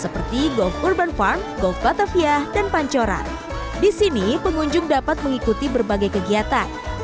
pengunjung dapat mengikuti berbagai kegiatan